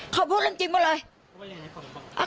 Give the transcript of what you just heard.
เขาพูดเรื่องจริงหมดเลย